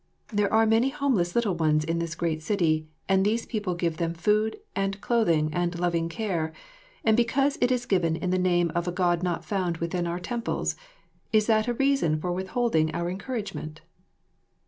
There are many homeless little ones in this great city, and these people give them food and clothing and loving care, and because it is given in the name of a God not found within our temples, is that a reason for withholding our encouragement?